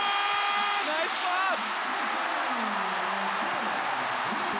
ナイスパス！